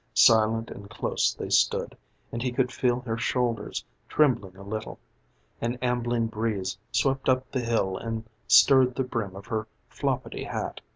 Silent and close they stood, and he could feel her shoulders trembling a little. An ambling breeze swept up the hill and stirred the brim of her floppidy hat.